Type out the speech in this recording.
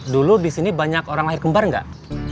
dulu disini banyak orang lahir kembar gak